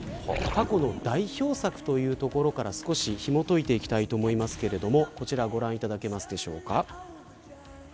過去の代表作というところから少し、ひも解いていきたいと思いますけれどもこちらご覧いただけますでしょうか。